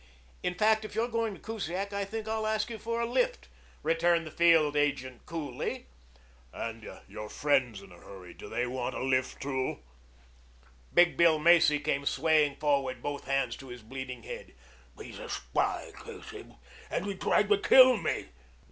In fact, if you're going to Kusiak, I think I'll ask you for a lift," returned the field agent coolly. "And your friends in a hurry do they want a lift too?" Big Bill Macy came swaying forward, both hands to his bleeding head. "He's a spy, curse him. And he tried to kill me."